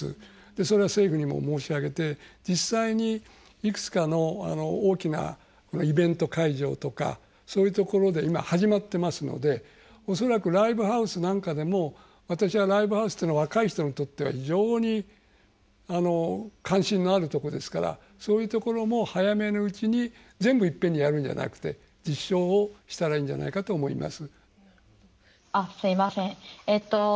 それは政府にも申し上げて実際にいくつかの大きなイベント会場とかそういうところで今、始まってますので恐らくライブハウスなんかでも私はライブハウスというのは若い人にとっては非常に関心のあるとこですからそういうところも早めのうちに全部いっぺんにやるんじゃなくて実証をしたらいいんじゃないかと思います。